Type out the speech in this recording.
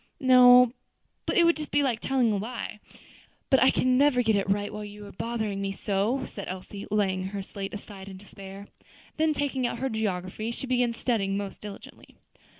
"No, but it would be just like telling a lie. But I can never get it right while you are bothering me so," said Elsie, laying her slate aside in despair. Then taking out her geography, she began studying most diligently.